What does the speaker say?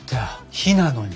火なのに。